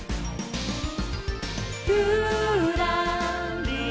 「ぴゅらりら」